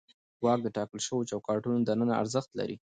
واک د ټاکل شوو چوکاټونو دننه ارزښت لري.